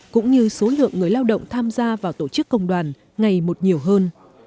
cũng như số lượng người lao động tham gia vào tổ chức công đoàn ngày một nhiều hơn